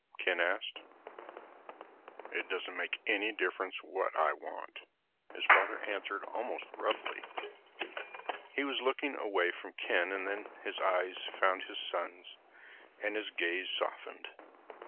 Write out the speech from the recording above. Ken asked. "It doesn't make any difference what I want," his father answered almost roughly. He was looking away from Ken and then his eyes found his son's and his glance softened.